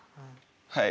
はい。